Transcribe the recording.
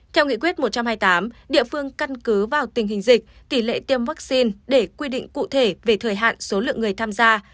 theo nghị quyết một trăm hai mươi tám địa phương căn cứ vào tình hình dịch tỷ lệ tiêm vaccine để quy định cụ thể về thời hạn số lượng người tham gia